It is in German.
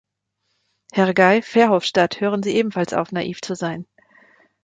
Herr Guy Verhofstadt, hören Sie ebenfalls auf, naiv zu sein.